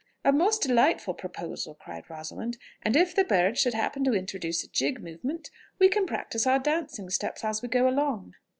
"A most delightful proposal!" cried Rosalind; "and if the birds should happen to introduce a jig movement, we can practise our dancing steps as we go along."